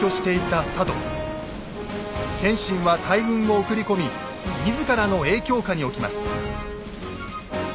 謙信は大軍を送り込み自らの影響下に置きます。